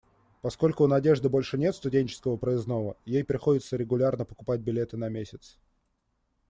Поскольку у Надежды больше нет студенческого проездного, ей приходится регулярно покупать билеты на месяц.